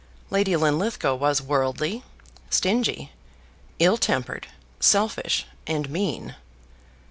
Lady Linlithgow was worldly, stingy, ill tempered, selfish, and mean.